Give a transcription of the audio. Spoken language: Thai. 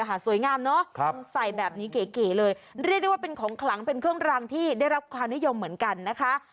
สวยงามเนอะใส่แบบนี้เก๋เลยเรียกได้ว่าเป็นของขลังเป็นเครื่องรางที่ได้รับความนิยมเหมือนกันนะคะ